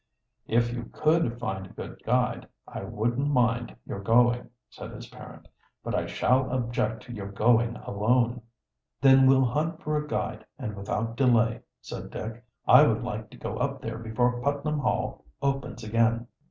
"If you could find a good guide, I wouldn't mind your going," said his parent. "But I shall object to your going alone." "Then we'll hunt for a guide, and without delay," said Dick. "I would like to go up there before Putnam Hall opens again."